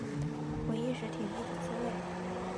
回忆时甜蜜的滋味